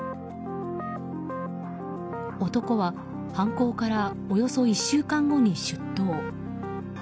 男は犯行からおよそ１週間後に出頭。